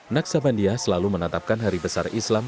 naksabandia selalu menatapkan hari besar islam